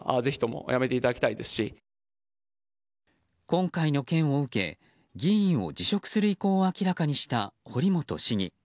今回の件を受け議員を辞職する意向を明らかにした堀本市議。